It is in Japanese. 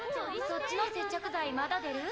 ・そっちの接着剤まだ出る？